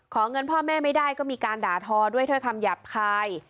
เงินพ่อแม่ไม่ได้ก็มีการด่าทอด้วยถ้อยคำหยาบคาย